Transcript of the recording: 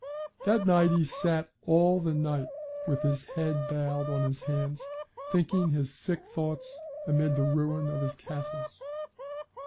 That night he sat all the night with his head bowed on his hands thinking his sick thoughts amid the ruin of his castles.